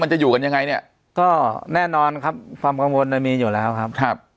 จะอยู่กันยังไงเนี่ยก็แน่นอนครับความกังวลมันมีอยู่แล้วครับ